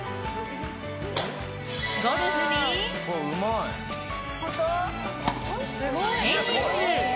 ゴルフに、テニス。